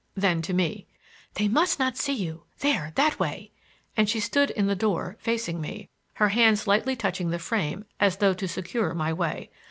Then to me: "They must not see you—there, that way!" and she stood in the door, facing me, her hands lightly touching the frame as though to secure my way.